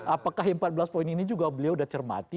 apakah empat belas poin ini juga beliau sudah cermati